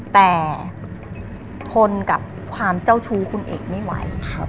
แต่ทนกับความเจ้าชู้คุณเอกไม่ไหว